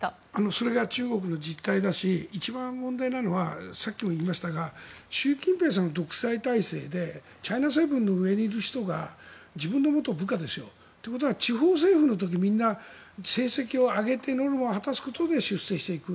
それが中国の実態だし一番問題なのはさっきも言いましたが習近平さんは独裁体制でチャイナセブンの上にいる人が自分の元部下でしょということは地方政府の時みんな成績を上げてノルマを果たすことで出世していく。